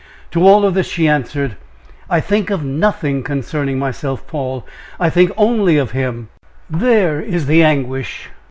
To all this she answered: "I think of nothing concerning myself, Paul I think only of him; there is the anguish."